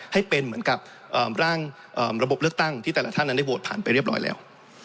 ให้เป็นเหมือนกับร่างระบบเลือกตั้งที่แต่ละท่านนั้นได้โหวตผ่านไปเรียบร้อยแล้ว